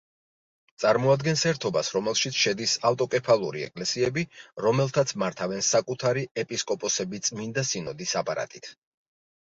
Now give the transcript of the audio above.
წარმოადგენს ერთობას, რომელშიც შედის ავტოკეფალური ეკლესიები, რომელთაც მართავენ საკუთარი ეპისკოპოსები წმინდა სინოდის აპარატით.